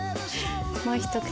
もう一口。